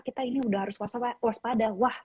kita ini sudah harus waspada wah